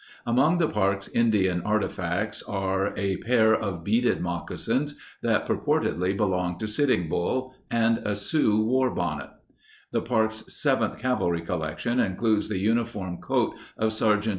Among the park 's Indian arti facts are (above and left) a pair of beaded moccasins that pur portedly belonged to Sitting Bull, and a Sioux war bonnet. Opposite: The park 's 7th Cav alry collection includes the uniform coat ofSgt.